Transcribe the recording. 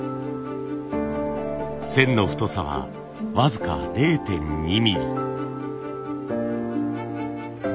線の太さは僅か０．２ミリ。